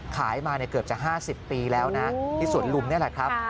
ขายมาเกือบจะ๕๐ปีแล้วนะที่สวนลุมนี่แหละครับ